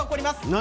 何？